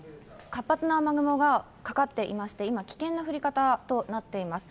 活発な雨雲がかかっていまして、今、危険な降り方となっています。